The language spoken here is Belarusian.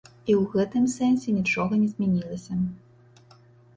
І ў гэтым сэнсе нічога не змянілася.